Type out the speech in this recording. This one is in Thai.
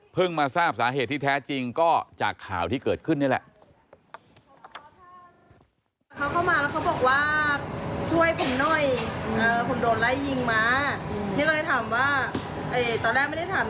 มาทราบสาเหตุที่แท้จริงก็จากข่าวที่เกิดขึ้นนี่แหละ